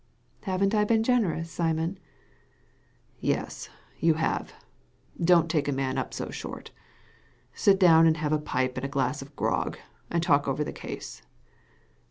*• Haven't I been generous, Simon ?"" Yes, you have. Don't take a man up so short Sit down and have a pipe and a glass of grog, and a talk over the case."